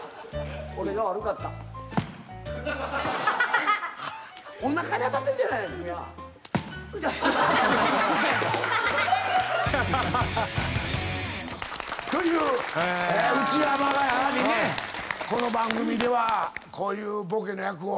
俺が悪かった」「おなかに当たってるじゃないの君は」という内山がやはりねこの番組ではこういうボケの役を。